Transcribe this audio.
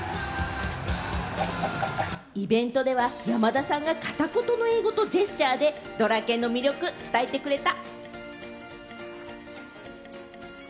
イベントでは山田さんが片言の英語とジェスチャーでドラケンの魅力、伝えてくれた。